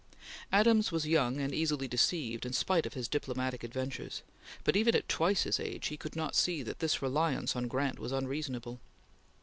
Adams was young and easily deceived, in spite of his diplomatic adventures, but even at twice his age he could not see that this reliance on Grant was unreasonable.